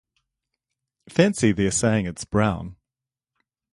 Fancy their saying it’s brown.